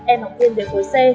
em học viên đề phối c